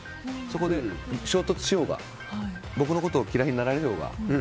そこで衝突しようが僕のことを嫌いになられようが。